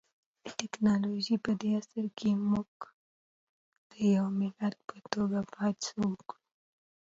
د ټکنالوژۍ پدې عصر کي مونږ د يو ملت په توګه بايد څه وکړو؟